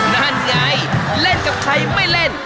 นั่นไงเล่นกับใครไม่เล่น